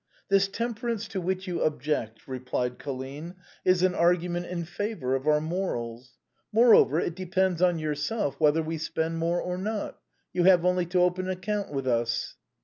" This temperance to which 3'ou object," replied Colline, " is an argument in favor of our morals. Moreover, it de pends on yourself whether we spend more or not. You have only to open an account with us."